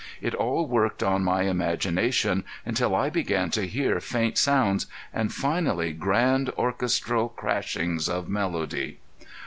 It all worked on my imagination until I began to hear faint sounds, and finally grand orchestral crashings of melody.